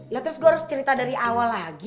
ya terus gue harus cerita dari awal lagi